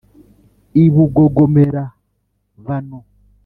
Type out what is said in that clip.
i bugogomera-bano